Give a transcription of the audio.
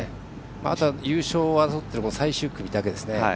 あとは優勝を争っている最終組だけですね。